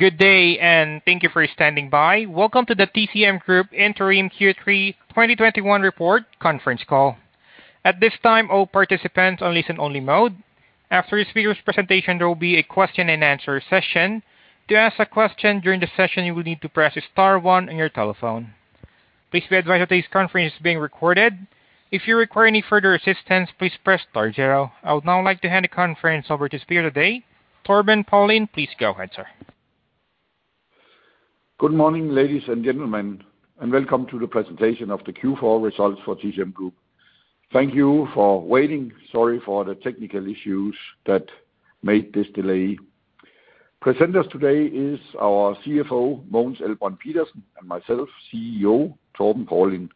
Good day, and thank you for standing by. Welcome to the TCM Group Interim Q3 2021 report conference call. At this time all participants are in listen-only mode. After speakers presentation there will be a question-and-answer session. To ask a question during the session, you need to star one in your telephone. Please be advised that this call is being recorded. If you require any assistance please press star and zero. I would now like to hand the conference over to the speaker today, Torben Paulin. Please go ahead, sir. Good morning, ladies and gentlemen, and welcome to the presentation of the Q3 results for TCM Group. Thank you for waiting. Sorry for the technical issues that made this delay. Presenters today is our CFO, Mogens Elbrønd Pedersen, and myself, CEO, Torben Paulin.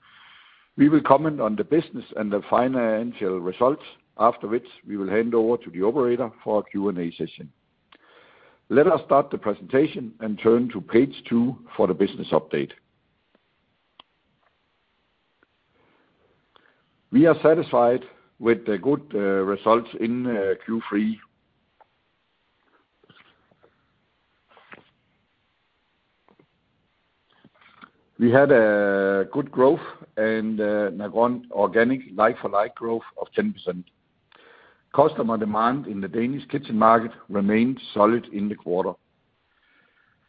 We will comment on the business and the financial results, after which we will hand over to the operator for our Q&A session. Let us start the presentation and turn to page two for the business update. We are satisfied with the good results in Q3. We had a good growth and an organic like-for-like growth of 10%. Customer demand in the Danish kitchen market remained solid in the quarter.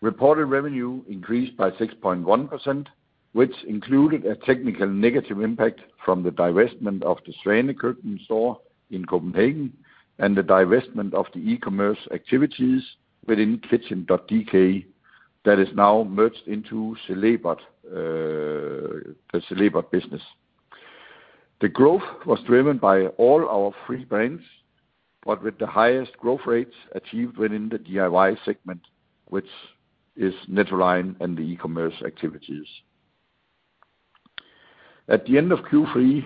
Reported revenue increased by 6.1%, which included a technical negative impact from the divestment of the Svane Køkkenet store in Copenhagen and the divestment of the e-commerce activities within Kitchn.dk that is now merged into the Celebert business. The growth was driven by all our three brands, but with the highest growth rates achieved within the DIY segment, which is Nettoline and the e-commerce activities. At the end of Q3,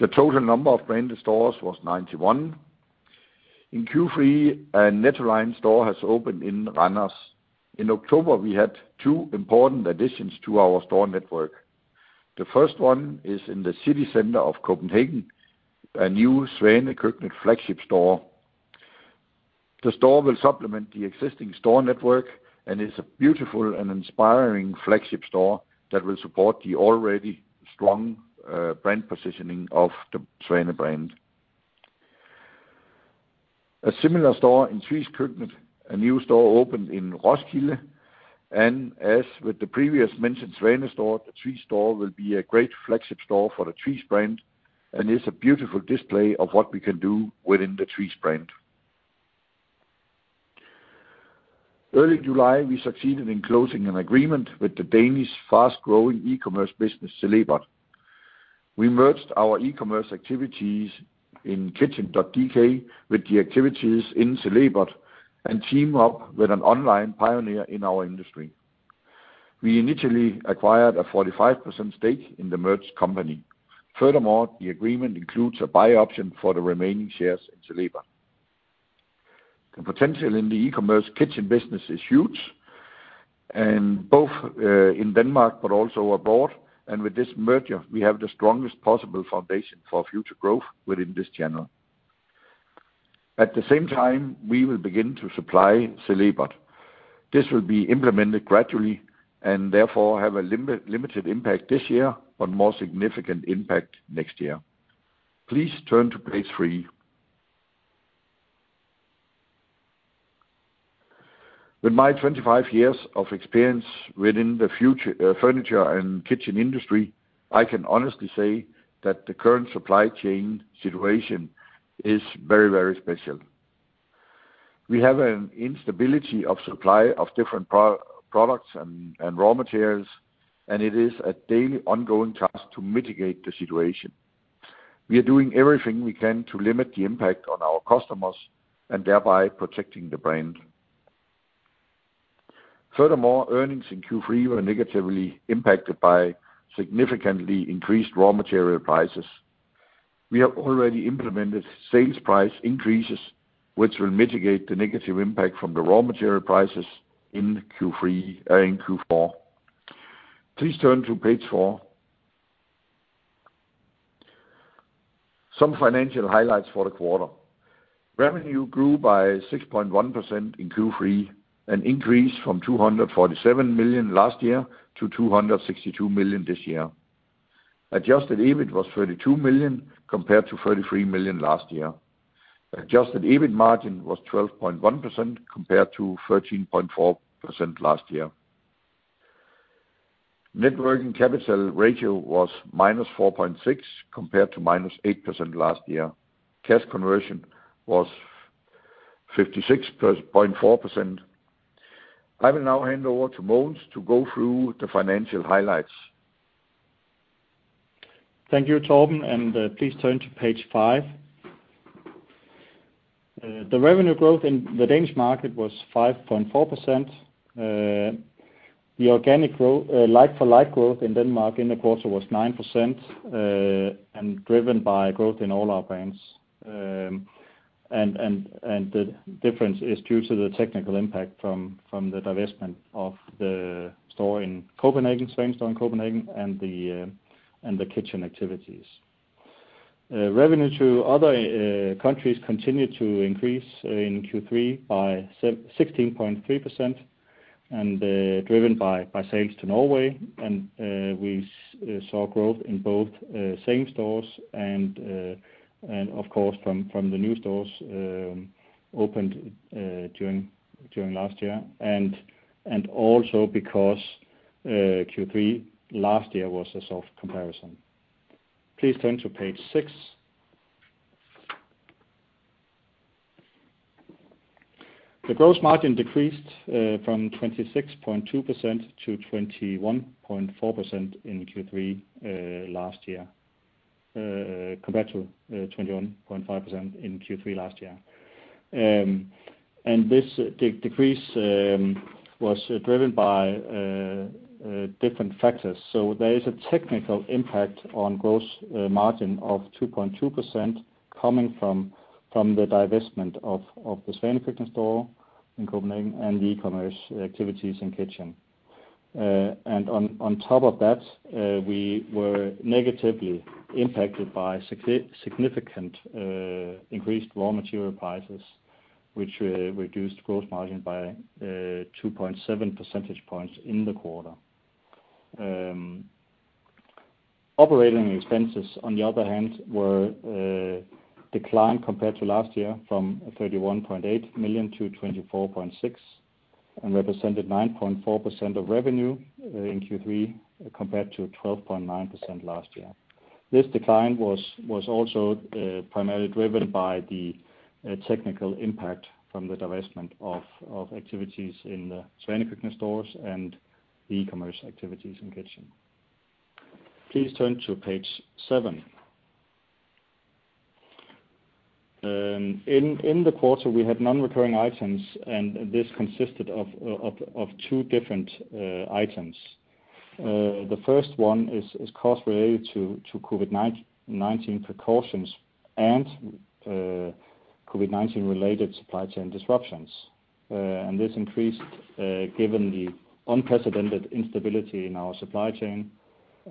the total number of branded stores was 91. In Q3, a Nettoline store has opened in Randers. In October, we had two important additions to our store network. The first one is in the city center of Copenhagen, a new Svane Køkkenet flagship store. The store will supplement the existing store network and is a beautiful and inspiring flagship store that will support the already strong brand positioning of the Svane brand. A similar store in Tvis Køkken, a new store opened in Roskilde, and as with the previous mentioned Svane store, the Tvis store will be a great flagship store for the Tvis brand and is a beautiful display of what we can do within the Tvis brand. Early July, we succeeded in closing an agreement with the Danish fast-growing e-commerce business, Celebert. We merged our e-commerce activities in Kitchn.dk with the activities in Celebert and team up with an online pioneer in our industry. We initially acquired a 45% stake in the merged company. Furthermore, the agreement includes a buy option for the remaining shares in Celebert. The potential in the e-commerce kitchen business is huge, and both in Denmark but also abroad, and with this merger, we have the strongest possible foundation for future growth within this channel. At the same time, we will begin to supply Celebert. This will be implemented gradually and therefore have a limited impact this year, but more significant impact next year. Please turn to page three. With my 25 years of experience within the furniture and kitchen industry, I can honestly say that the current supply chain situation is very special. We have an instability of supply of different products and raw materials, and it is a daily ongoing task to mitigate the situation. We are doing everything we can to limit the impact on our customers and thereby protecting the brand. Furthermore, earnings in Q3 were negatively impacted by significantly increased raw material prices. We have already implemented sales price increases, which will mitigate the negative impact from the raw material prices in Q4. Please turn to page four. Some financial highlights for the quarter. Revenue grew by 6.1% in Q3, an increase from 247 million last year to 262 million this year. Adjusted EBIT was 32 million compared to 33 million last year. Adjusted EBIT margin was 12.1% compared to 13.4% last year. Net working capital ratio was -4.6% compared to -8% last year. Cash conversion was 56.4%. I will now hand over to Mogens to go through the financial highlights. Thank you, Torben, and please turn to page five. The revenue growth in the Danish market was 5.4%. The organic like-for-like growth in Denmark in the quarter was 9% and driven by growth in all our brands. The difference is due to the technical impact from the divestment of the store in Copenhagen, Svane store in Copenhagen, and the Kitchn activities. Revenue to other countries continued to increase in Q3 by 16.3%, driven by sales to Norway. We saw growth in both same stores and of course, from the new stores opened during last year, and also because Q3 last year was a soft comparison. Please turn to page six. The gross margin decreased from 26.2% to 21.4% in Q3 last year, compared to 21.5% in Q3 last year. This decrease was driven by different factors. There is a technical impact on gross margin of 2.2% coming from the divestment of the Svane Køkkenet store in Copenhagen and the e-commerce activities in Kitchn. On top of that, we were negatively impacted by significant increased raw material prices, which reduced gross margin by 2.7 percentage points in the quarter. Operating expenses, on the other hand, declined compared to last year, from 31.8 million to 24.6 million, and represented 9.4% of revenue in Q3 compared to 12.9% last year. This decline was also primarily driven by the technical impact from the divestment of activities in the Svane Køkkenet stores and the e-commerce activities in Kitchn. Please turn to page seven. In the quarter, we had non-recurring items, this consisted of two different items. The first one is cost related to COVID-19 precautions and COVID-19 related supply chain disruptions. This increased given the unprecedented instability in our supply chain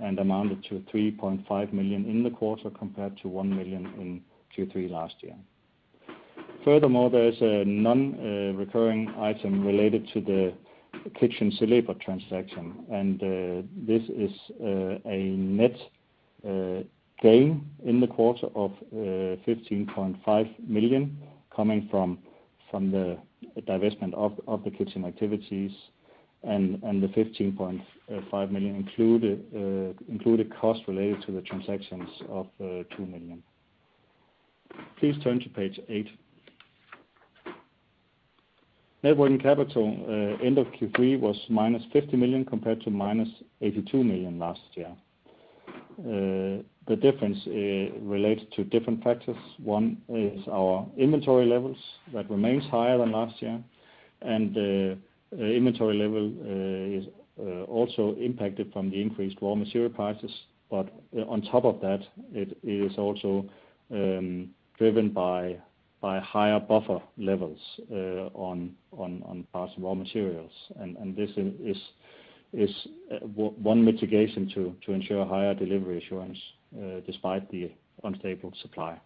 and amounted to 3.5 million in the quarter compared to 1 million in Q3 last year. Furthermore, there is a non-recurring item related to the Celebert transaction, and this is a net gain in the quarter of 15.5 million, coming from the divestment of the Kitchn activities, and the 15.5 million included cost related to the transactions of 2 million. Please turn to page eight. Net working capital end of Q3 was -50 million compared to -82 million last year. The difference relates to different factors. One is our inventory levels, that remains higher than last year. The inventory level is also impacted from the increased raw material prices. On top of that, it is also driven by higher buffer levels on parts of raw materials. This is one mitigation to ensure higher delivery assurance despite the unstable supply.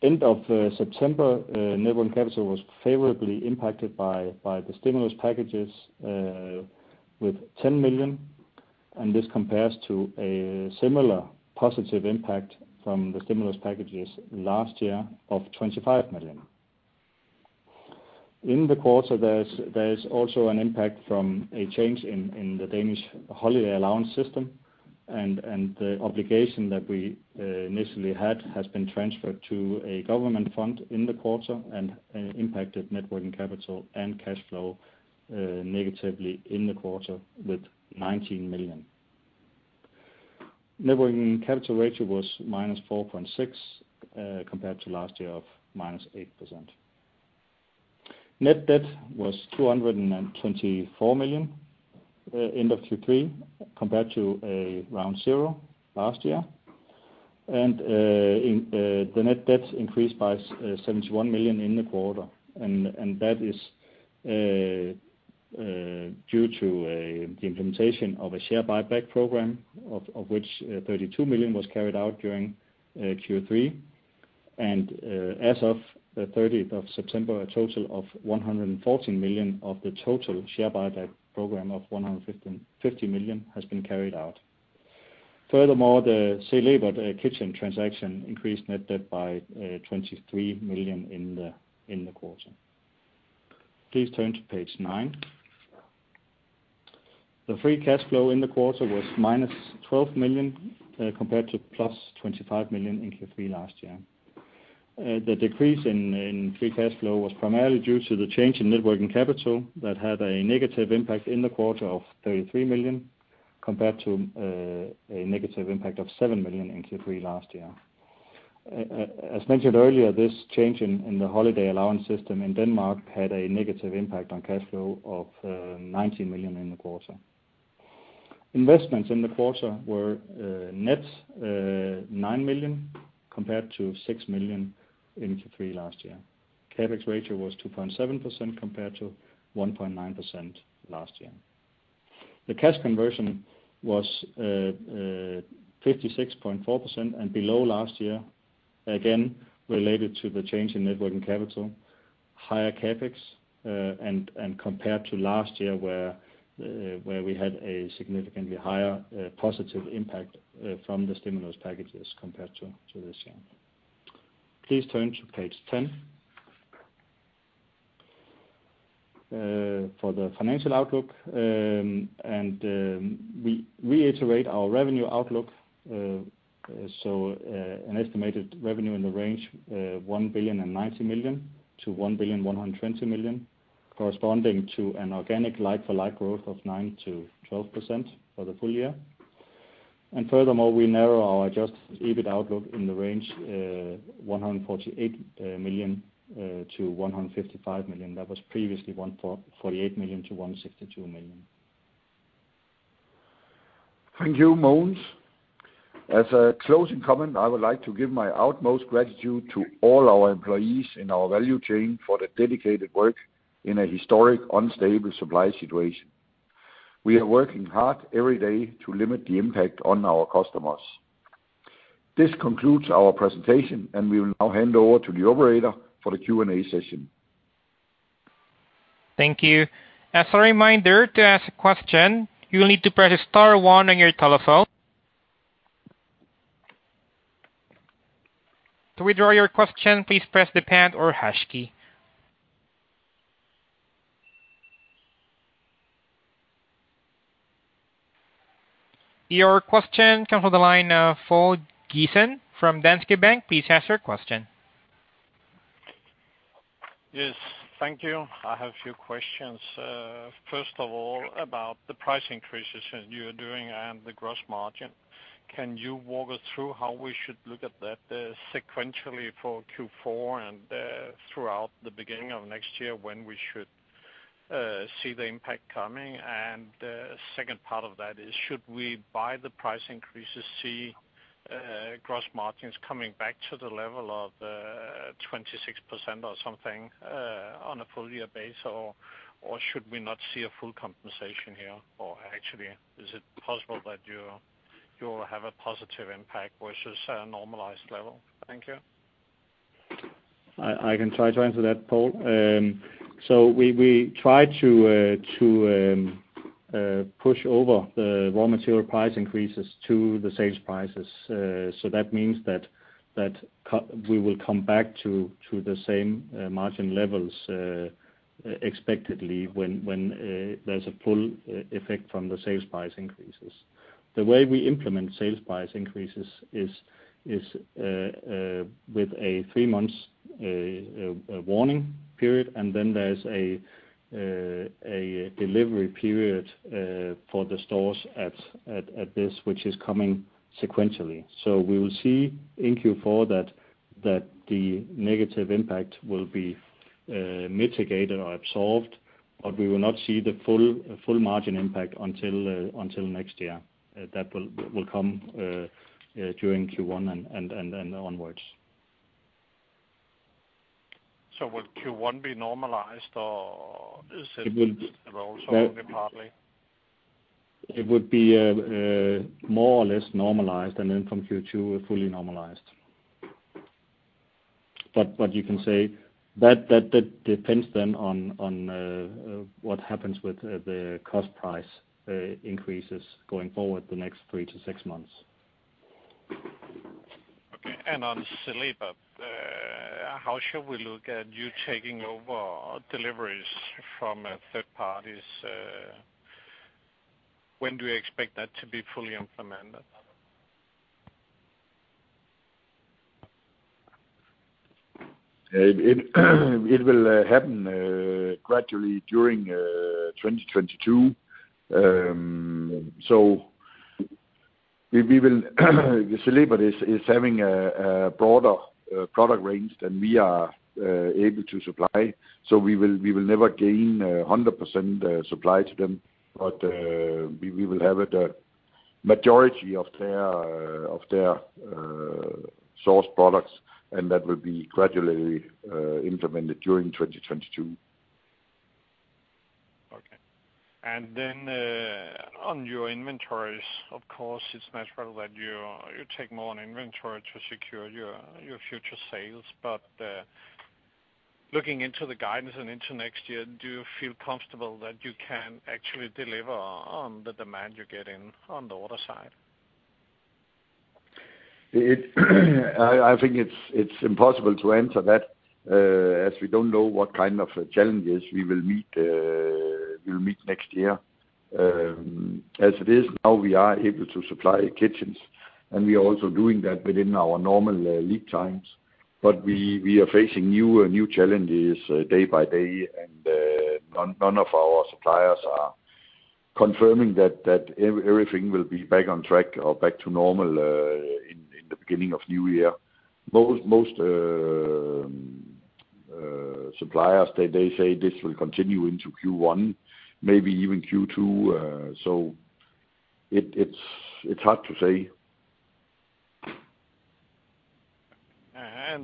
End of September, net working capital was favorably impacted by the stimulus packages with 10 million, this compares to a similar positive impact from the stimulus packages last year of 25 million. In the quarter, there is also an impact from a change in the Danish holiday allowance system, the obligation that we initially had has been transferred to a government fund in the quarter and impacted net working capital and cash flow negatively in the quarter with 19 million. Net working capital ratio was -4.6%, compared to last year of -8%. Net debt was 224 million end of Q3, compared to around zero last year. The net debt increased by 71 million in the quarter. That is due to the implementation of a share buyback program, of which 32 million was carried out during Q3. As of the 30th of September, a total of 114 million of the total share buyback program of 150 million has been carried out. Furthermore, the Celebert Kitchn transaction increased net debt by 23 million in the quarter. Please turn to page nine. The free cash flow in the quarter was -12 million compared to +25 million in Q3 last year. The decrease in free cash flow was primarily due to the change in net working capital that had a negative impact in the quarter of 33 million, compared to a negative impact of 7 million in Q3 last year. As mentioned earlier, this change in the holiday allowance system in Denmark had a negative impact on cash flow of 19 million in the quarter. Investments in the quarter were net 9 million, compared to 6 million in Q3 last year. CapEx ratio was 2.7% compared to 1.9% last year. The cash conversion was 56.4% and below last year, again, related to the change in net working capital, higher CapEx, and compared to last year where we had a significantly higher positive impact from the stimulus packages compared to this year. Please turn to page 10. For the financial outlook, and we reiterate our revenue outlook, an estimated revenue in the range of 1.09 billion-1.12 billion, corresponding to an organic like-for-like growth of 9%-12% for the full year. Furthermore, we narrow our adjusted EBIT outlook in the range 148 million-155 million. That was previously 148 million-162 million. Thank you, Mogens. As a closing comment, I would like to give my utmost gratitude to all our employees in our value chain for their dedicated work in a historic, unstable supply situation. We are working hard every day to limit the impact on our customers. This concludes our presentation, we will now hand over to the operator for the Q&A session. Thank you. As a reminder, to ask a question, you will need to press star one on your telephone. To withdraw your question, please press the pound or hash key. Your question comes from the line of Poul Jessen from Danske Bank. Please ask your question. Yes, thank you. I have a few questions. First of all, about the price increases that you are doing and the gross margin. Can you walk us through how we should look at that sequentially for Q4 and throughout the beginning of next year when we should see the impact coming? The second part of that is, should we, by the price increases, see gross margins coming back to the level of 26% or something on a full year basis, or should we not see a full compensation here? Or actually, is it possible that you'll have a positive impact versus a normalized level? Thank you. I can try to answer that, Poul. We try to push over the raw material price increases to the sales prices. That means that we will come back to the same margin levels expectedly when there's a full effect from the sales price increases. The way we implement sales price increases is with a three-month warning period, and then there's a delivery period for the stores at this, which is coming sequentially. We will see in Q4 that the negative impact will be mitigated or absolved, but we will not see the full margin impact until next year. That will come during Q1 and onwards. Will Q1 be normalized? It will- also only partly? It would be more or less normalized, and then from Q2, fully normalized. You can say that depends then on what happens with the cost price increases going forward the next three to six months. Okay. On Celebert, how should we look at you taking over deliveries from third parties? When do you expect that to be fully implemented? It will happen gradually during 2022. Celebert is having a broader product range than we are able to supply. We will never gain 100% supply to them, but we will have a majority of their source products, and that will be gradually implemented during 2022. Okay. Then on your inventories, of course, it's natural that you take more on inventory to secure your future sales. Looking into the guidance and into next year, do you feel comfortable that you can actually deliver on the demand you're getting on the order side? I think it's impossible to answer that, as we don't know what kind of challenges we will meet next year. As it is now, we are able to supply kitchens, and we are also doing that within our normal lead times. We are facing new challenges day by day, and none of our suppliers are confirming that everything will be back on track or back to normal in the beginning of new year. Most suppliers, they say this will continue into Q1, maybe even Q2. It's hard to say.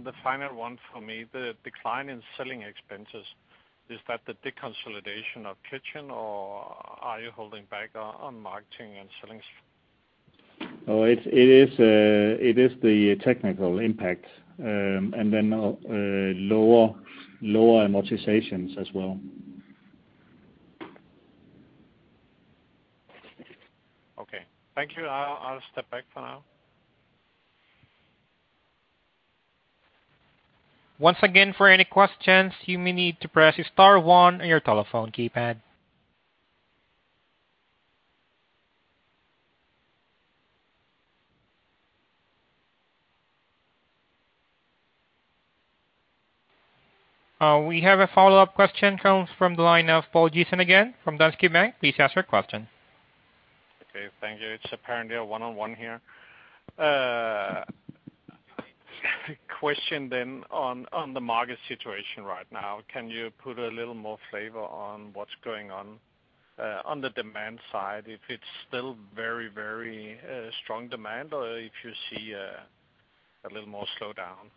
The final one for me, the decline in selling expenses, is that the deconsolidation of Kitchn, or are you holding back on marketing and selling? No, it is the technical impact, and then lower amortizations as well. Okay. Thank you. I'll step back for now. Once again, for any questions, you may need to press star one on your telephone keypad. We have a follow-up question coming from the line of Poul Jessen again, from Danske Bank. Please ask your question. Okay. Thank you. It's apparently a one-on-one here. A question then on the market situation right now. Can you put a little more flavor on what's going on the demand side? If it's still very strong demand, or if you see a little more slowdown?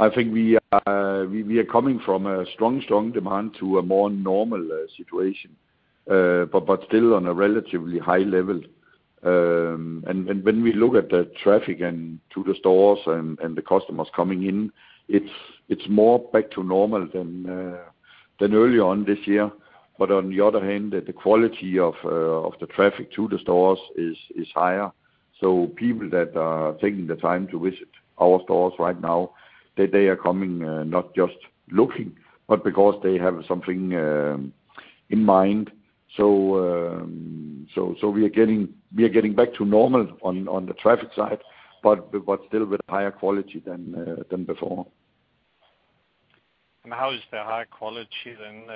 I think we are coming from a strong demand to a more normal situation. Still on a relatively high level. When we look at the traffic and to the stores and the customers coming in, it's more back to normal than early on this year. On the other hand, the quality of the traffic to the stores is higher. People that are taking the time to visit our stores right now, they are coming not just looking, but because they have something in mind. We are getting back to normal on the traffic side, but still with higher quality than before. How is the high quality then,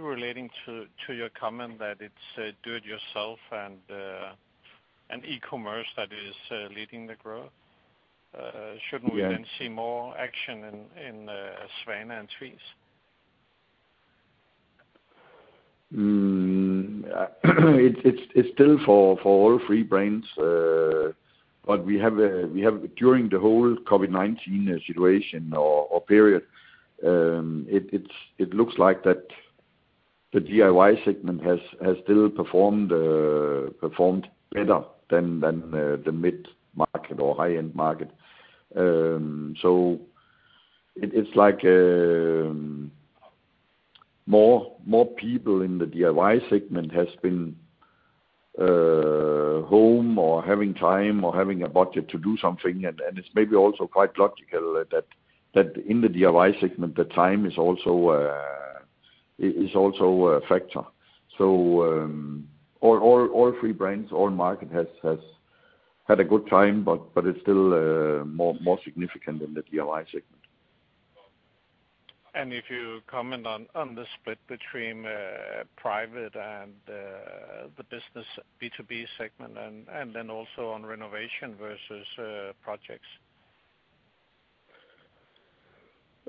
relating to your comment that it's do it yourself and e-commerce that is leading the growth? Yeah. Shouldn't we then see more action in Svane and Tvis? It's still for all three brands. During the whole COVID-19 situation or period, it looks like that the DIY segment has still performed better than the mid-market or high-end market. It's like more people in the DIY segment has been home or having time or having a budget to do something, and it's maybe also quite logical that in the DIY segment, the time is also a factor. All three brands, all market has had a good time, it's still more significant in the DIY segment. If you comment on the split between private and the business B2B segment and then also on renovation versus projects?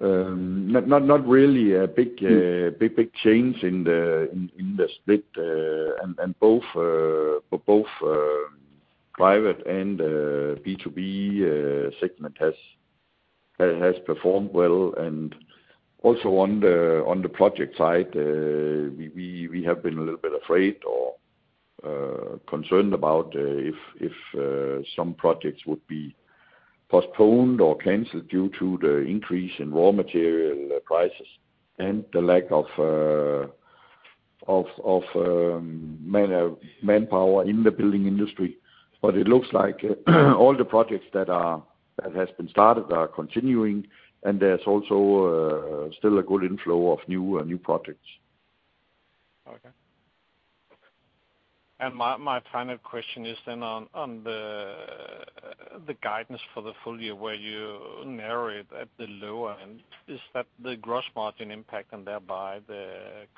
Not really a big change in the split. Both private and B2B segment has performed well. Also on the project side, we have been a little bit afraid or concerned about if some projects would be postponed or canceled due to the increase in raw material prices and the lack of manpower in the building industry. It looks like all the projects that have been started are continuing, and there's also still a good inflow of new projects. Okay. My final question is on the guidance for the full year where you narrow it at the lower end. Is that the gross margin impact and thereby the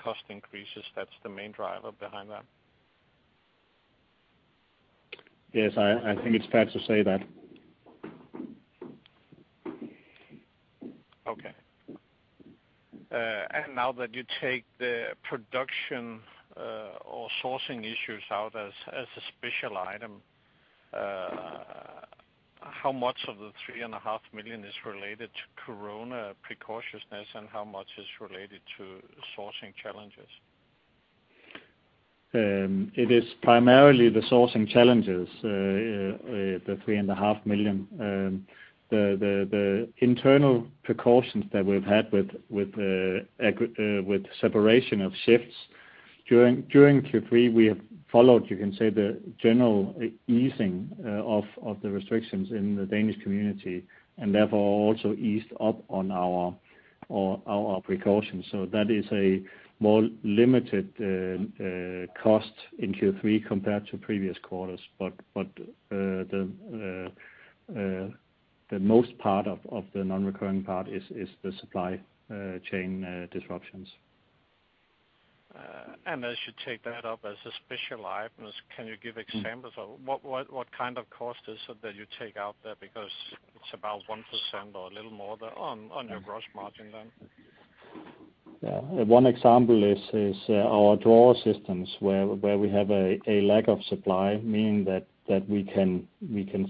cost increases? That's the main driver behind that? Yes, I think it's fair to say that. Okay. Now that you take the production or sourcing issues out as a special item, how much of the 3.5 million is related to Corona precautiousness and how much is related to sourcing challenges? It is primarily the sourcing challenges, the 3.5 million. The internal precautions that we've had with separation of shifts during Q3, we have followed, you can say, the general easing of the restrictions in the Danish community, therefore also eased up on our precautions. That is a more limited cost in Q3 compared to previous quarters. The most part of the non-recurring part is the supply chain disruptions. As you take that up as a special item, can you give examples of what kind of cost is it that you take out there? Because it's about 1% or a little more on your gross margin then. Yeah. One example is our drawer systems, where we have a lack of supply, meaning that we can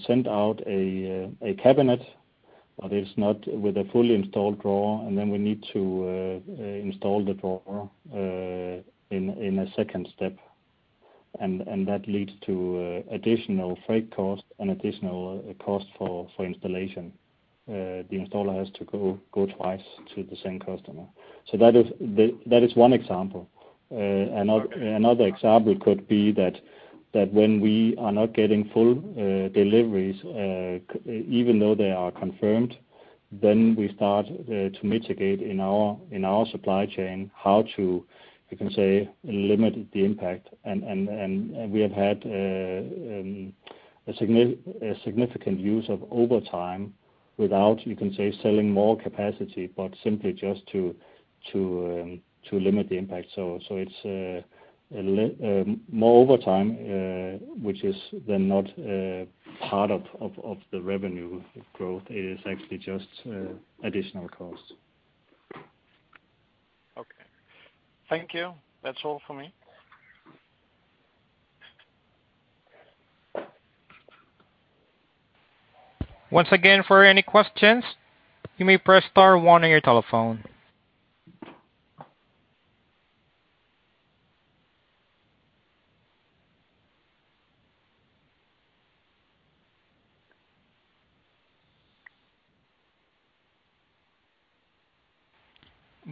send out a cabinet, but it's not with a fully installed drawer, and then we need to install the drawer in a second step. That leads to additional freight cost and additional cost for installation. The installer has to go twice to the same customer. That is one example. Another example could be that when we are not getting full deliveries even though they are confirmed, then we start to mitigate in our supply chain how to, you can say, limit the impact. We have had a significant use of overtime without, you can say, selling more capacity, but simply just to limit the impact. It's more overtime, which is then not part of the revenue growth. It is actually just additional cost. Okay. Thank you. That's all for me. Once again, for any questions, you may press star one on your telephone.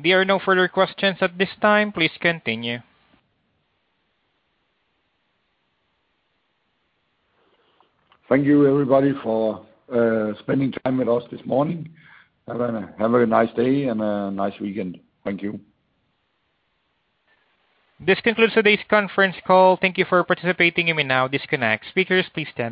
There are no further questions at this time. Please continue. Thank you, everybody, for spending time with us this morning. Have a very nice day and a nice weekend. Thank you. This concludes today's conference call. Thank you for participating. You may now disconnect. Speakers, please stand by.